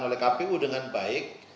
oleh kpu dengan baik